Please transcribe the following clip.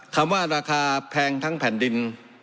คำว่าราคาแพงทั้งแผ่นดิน